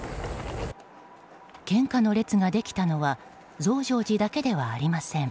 献花の列ができたのは増上寺だけではありません。